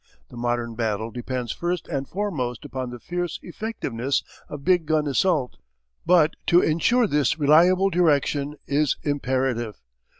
The modern battle depends first and foremost upon the fierce effectiveness of big gun assault, but to ensure this reliable direction is imperative.